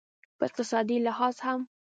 په اقتصادي لحاظ هم